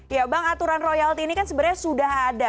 ya bang aturan royalti ini kan sebenarnya sudah ada